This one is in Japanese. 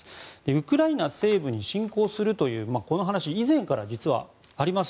ウクライナ西部に侵攻というこの話以前から実はあります。